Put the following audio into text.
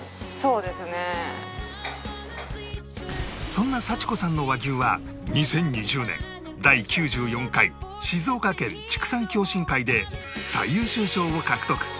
そんな沙千子さんの和牛は２０２０年第９４回静岡県畜産共進会で最優秀賞を獲得